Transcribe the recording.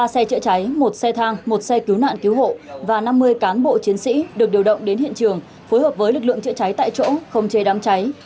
ba xe chữa cháy một xe thang một xe cứu nạn cứu hộ và năm mươi cán bộ chiến sĩ được điều động đến hiện trường phối hợp với lực lượng chữa cháy tại chỗ không chê đám cháy